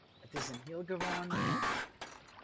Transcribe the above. It is in hiele gewoane man.